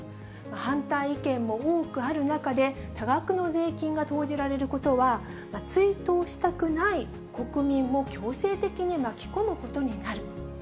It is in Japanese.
反対意見も多くある中で、多額の税金が投じられることは、追悼したくない国民を強制的に巻き込むことになる。